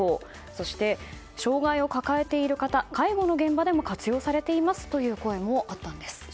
そして、障害を抱えている方介護の現場でも活用されていますという声もあったんです。